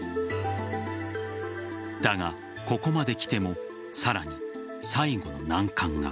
だが、ここまで来てもさらに最後の難関が。